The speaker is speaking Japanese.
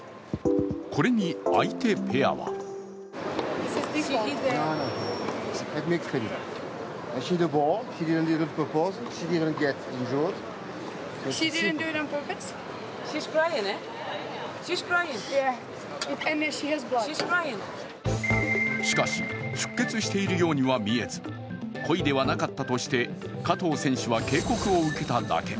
これに相手ペアはしかし、出血しているようには見えず、故意ではなかったとして加藤選手は警告を受けただけ。